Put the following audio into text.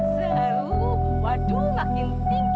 seru waduh makin tinggi